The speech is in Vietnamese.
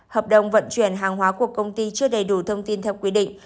hợp đồng vận chuyển hàng hóa của công ty chưa đầy đủ thông tin theo quy định